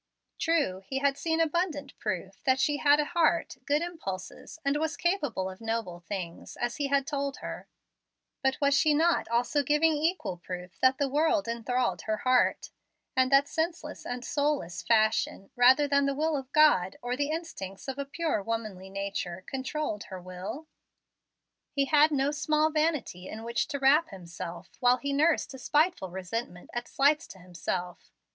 True, he had seen abundant proof that she had a heart, good impulses, and was capable of noble things, as he had told her; but was she not also giving 'lira equal proof that the world enthralled her heart, and that senseless and soulless fashion, rather than the will of God, or the instincts of a pure womanly nature, controlled her will? He had no small vanity in which to wrap himself while he nursed a spiteful resentment at slights to himself.